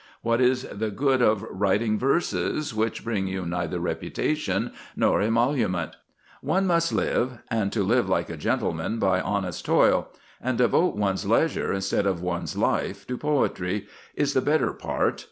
What is the good of writing verses which bring you neither reputation nor emolument? One must live, and to live like a gentleman by honest toil, and devote one's leisure instead of one's life to poetry, is the better part.